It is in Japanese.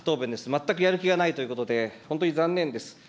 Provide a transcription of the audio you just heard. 全くやる気がないということで、本当に残念です。